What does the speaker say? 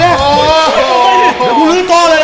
เดี๋ยวพูดต่อเลย